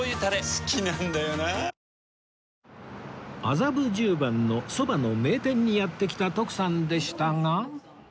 麻布十番のそばの名店にやって来た徳さんでしたが